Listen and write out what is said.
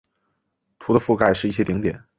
图的覆盖是一些顶点。